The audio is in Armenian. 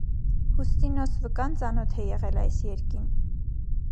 Հուստինոս վկան ծանոթ է եղել այս երկին։